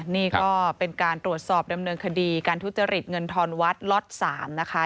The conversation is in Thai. นี่ก็เป็นการตรวจสอบดำเนินคดีการทุจริตเงินทอนวัดล็อต๓นะคะ